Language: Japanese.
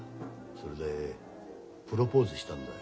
それでプロポーズしたんだよ。